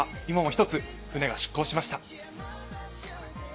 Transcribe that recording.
今も１つ、船が出港しました。